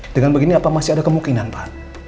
dengan begini apa masih ada kemungkinan pak